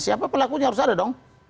siapa pelakunya harus ada dong